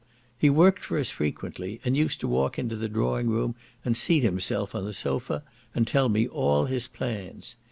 He worked for us frequently, and often used to walk into the drawing room and seat himself on the sofa, and tell me all his plans.